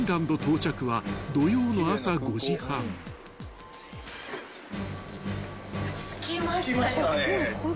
着きましたね。